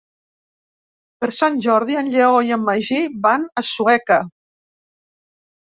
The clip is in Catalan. Per Sant Jordi en Lleó i en Magí van a Sueca.